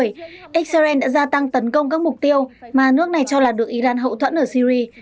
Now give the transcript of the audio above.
israel đã gia tăng tấn công các mục tiêu mà nước này cho là được iran hậu thuẫn ở syri